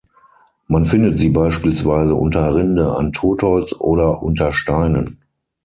Man findet sie beispielsweise unter Rinde an Totholz oder unter Steinen.